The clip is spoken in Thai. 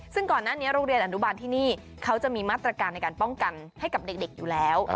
ซึ่งก่อนหน้านี้โรงเรียนอนุบาลที่นี่เขาจะมีมาตรการในการป้องกันให้กับเด็กอยู่แล้ว